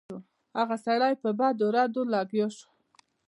هغه سړی په بدو ردو لګیا شو.